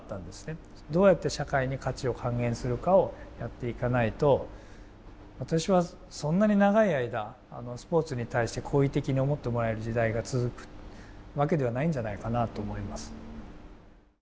どうやって社会に価値を還元するかをやっていかないと私はそんなに長い間スポーツに対して好意的に思ってもらえる時代が続くわけではないんじゃないかなと思います。